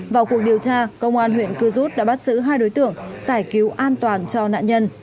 vào cuộc điều tra công an huyện cư rút đã bắt giữ hai đối tượng giải cứu an toàn cho nạn nhân